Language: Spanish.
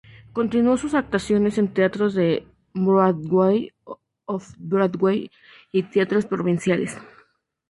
Continuó sus actuaciones en teatros de Broadway, off-Broadway, y teatros provinciales.